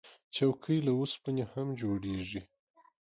چوکۍ له اوسپنې هم جوړیږي.